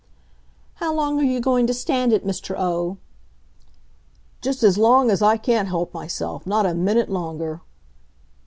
"How long are you going to stand it, Mr. O?" "Just as long as I can't help myself; not a minute longer."